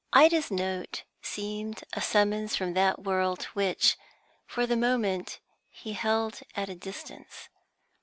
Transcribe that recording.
Ida's note seemed a summons from that world which, for the moment, he held at a distance.